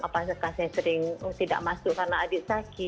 apakah saya sering tidak masuk karena adit sakit